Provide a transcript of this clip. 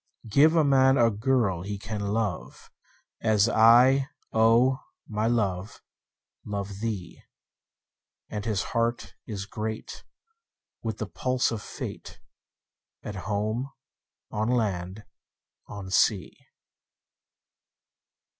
Give a man a girl he can love, As I, O my love, love thee; 10 And his heart is great with the pulse of Fate, At home, on land, on sea.